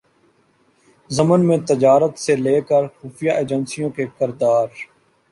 ضمن میں تجارت سے لے کرخفیہ ایجنسیوں کے کردار